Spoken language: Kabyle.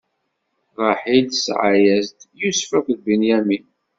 Ṛaḥil tesɛa-yas-d: Yusef akked Binyamin.